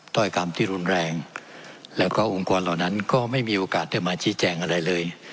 ถ้อยกรรมที่รุนแรงแล้วก็องค์กรเหล่านั้นก็ไม่มีโอกาสได้มาชี้แจงอะไรเลย